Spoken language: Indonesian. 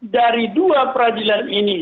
dari dua peradilan ini